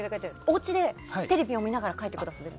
おうちでテレビを見ながら書いてくださっている？